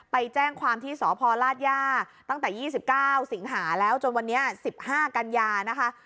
ไปแจ้งความที่สพลาดย่าตั้งแต่๒๙สิงหาแล้วจนวันนี้๑๕กันยานะคะ